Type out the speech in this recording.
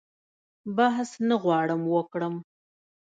بحث نه غواړم وکړم.